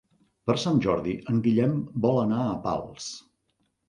Per Sant Jordi en Guillem vol anar a Pals.